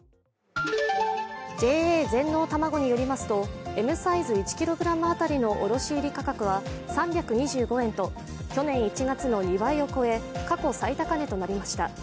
ＪＡ全農たまごによりますと、Ｍサイズ１ｋｇ当たりの卸売価格は３２５円と、去年１月の２倍を超え過去最高値となりました。